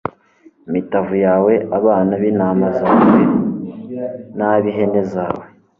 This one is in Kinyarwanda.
imitavu yawe, abana b'intama zawe n'ab'ihene zawe